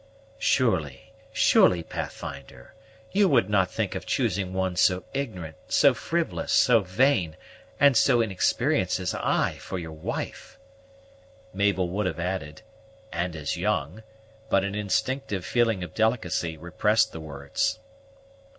"Surely, surely, Pathfinder, you would not think of choosing one so ignorant, so frivolous, so vain, and so inexperienced as I for your wife?" Mabel would have added, "and as young;" but an instinctive feeling of delicacy repressed the words.